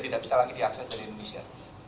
tidak bisa lagi diakses dari indonesia